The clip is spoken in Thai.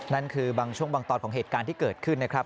นั่นคือบางช่วงบางตอนของเหตุการณ์ที่เกิดขึ้นนะครับ